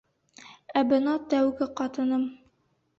Ә бына тәүге ҡатыным...